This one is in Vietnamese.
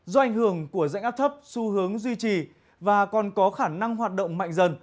do ảnh hưởng của dạnh áp thấp xu hướng duy trì và còn có khả năng hoạt động mạnh dần